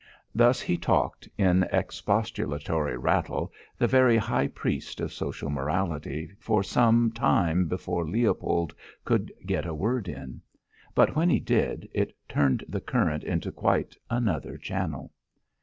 Thus he talked, in expostulatory rattle, the very high priest of social morality, for some, time before Leopold could get a word in. But when he did, it turned the current into quite another channel.